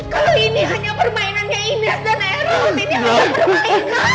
kalau ini hanya permainannya ines dan erod ini hanya permainan